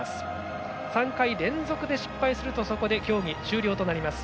３回連続で失敗するとそこで競技終了となります。